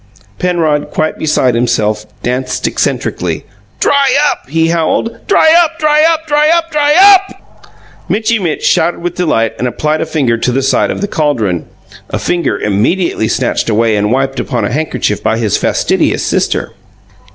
Penrod, quite beside himself, danced eccentrically. "Dry up!" he howled. "Dry up, dry up, dry up, dry UP!" Mitchy Mitch shouted with delight and applied a finger to the side of the caldron a finger immediately snatched away and wiped upon a handkerchief by his fastidious sister.